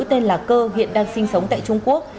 tên là cơ hiện đang sinh sống tại trung quốc